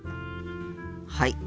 はい。